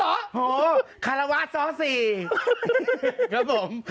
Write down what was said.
โฮคาราวาสซอสสี่ครับผม